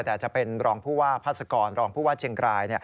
แต่จะเป็นรองผู้ว่าพาสกรรองผู้ว่าเชียงราย